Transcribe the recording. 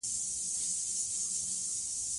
ازادي راډیو د ټرافیکي ستونزې اړوند شکایتونه راپور کړي.